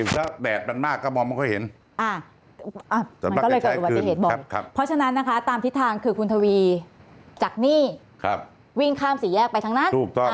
ถึงถ้าแดดมันมากก็มองไม่ค่อยเห็นมันก็เลยเกิดประเทศบ่นเพราะฉะนั้นนะคะตามทิศทางคือคุณทวีวิ่งข้ามสีแยกไปทั้งนั้น